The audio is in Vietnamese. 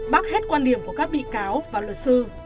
bác hết quan điểm của các bị cáo và luật sư